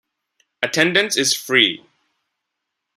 Attendance is free.